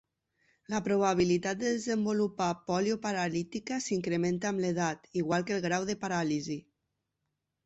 La probabilitat de desenvolupar pòlio paralítica s'incrementa amb l'edat, igual que el grau de paràlisi.